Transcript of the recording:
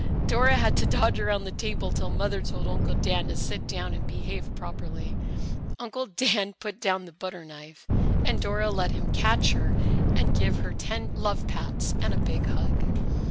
Dora had to dodge around the table till Mother told Uncle Dan to sit down and behave properly. Uncle Dan put down the butter knife and Dora let him catch her and give her ten love pats and a big hug.